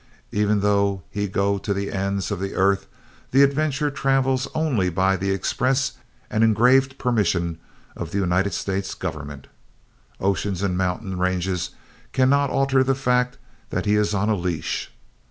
Even though he go to the ends of the earth the adventurer travels only by the express and engraved permission of the United States government. Oceans and mountain ranges cannot alter the fact that he is on a leash.